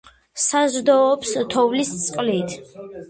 საზრდოობს თოვლის წყლით.